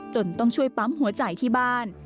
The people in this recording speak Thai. ต้องช่วยปั๊มหัวใจที่บ้าน